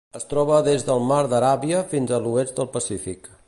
Es troba des del Mar d'Aràbia fins a l'oest del Pacífic.